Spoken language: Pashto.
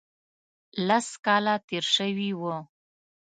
لس کاله تېر شوي وو.